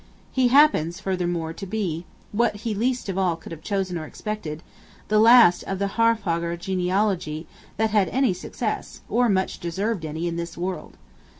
He happens furthermore to be, what he least of all could have chosen or expected, the last of the Haarfagr Genealogy that had any success, or much deserved any, in this world.